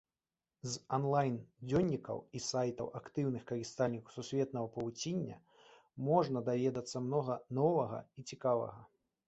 З анлайн-дзённікаў і сайтаў актыўных карыстальнікаў сусветнага павуціння можна даведацца многа новага і цікавага.